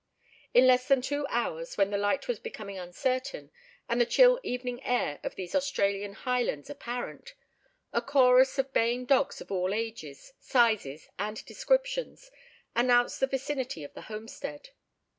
In less than two hours, when the light was becoming uncertain, and the chill evening air of these Australian highlands apparent, a chorus of baying dogs of all ages, sizes and descriptions announced the vicinity of the homestead.